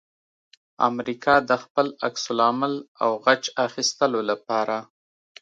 امریکا د خپل عکس العمل او غچ اخستلو لپاره